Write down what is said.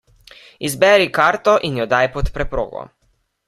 Izberi karto in jo daj pod preprogo.